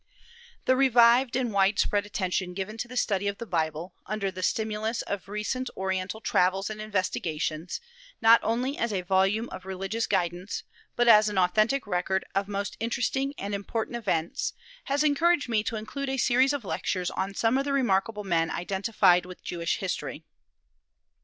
The revived and wide spread attention given to the study of the Bible, under the stimulus of recent Oriental travels and investigations, not only as a volume of religious guidance, but as an authentic record of most interesting and important events, has encouraged me to include a series of Lectures on some of the remarkable men identified with Jewish history.